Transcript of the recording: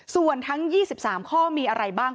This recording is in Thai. ส่วนทั้ง๒๓ข้อมีอะไรบ้าง